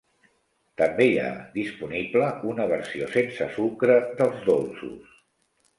També hi ha disponible una versió sense sucre dels dolços.